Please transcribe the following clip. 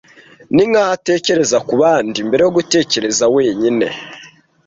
Ninkaho atekereza kubandi mbere yo gutekereza wenyine.